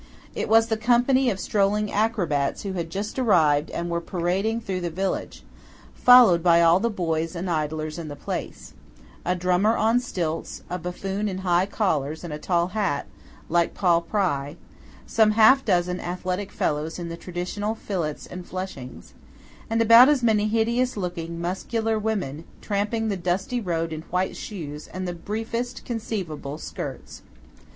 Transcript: It was the company of strolling acrobats who had just arrived and were parading through the village, followed by all the boys and idlers in the place: a drummer on stilts; a buffoon in high collars and a tall hat, like Paul Pry; some half dozen athletic fellows in the traditional fillets and fleshings; and about as many hideous looking, muscular women, tramping the dusty road in white shoes and the briefest conceivable skirts.